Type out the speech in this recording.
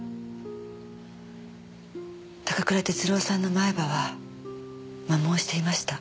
高倉徹郎さんの前歯は摩耗していました。